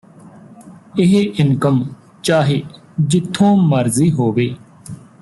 ਇਹ ਇਨਕਮ ਚਾਹੇ ਜਿੱਥੋਂ ਮਰਜ਼ੀ ਹੋਵੇ